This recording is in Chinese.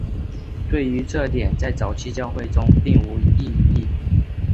对于这一点在早期教会中并无异议。